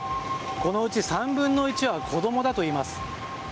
このうち３分の１は子供だといいます。